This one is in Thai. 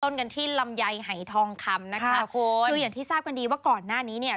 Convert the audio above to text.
กันที่ลำไยหายทองคำนะคะคืออย่างที่ทราบกันดีว่าก่อนหน้านี้เนี่ย